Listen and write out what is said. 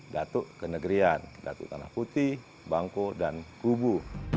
datuk kenegrian datuk tanah putih bangko dan kubu